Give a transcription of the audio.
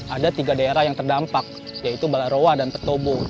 ada tiga daerah yang terdampak yaitu baleroa dan petobo